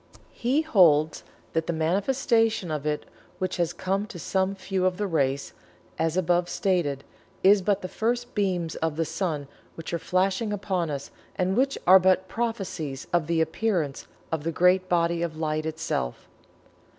He holds that the manifestation of it which has come to some few of the race, as above stated, is but the first beams of the sun which are flashing upon us and which are but prophecies of the appearance of the great body of light itself.